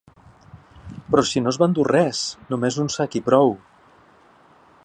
Però si no es va endur res, només un sac i prou.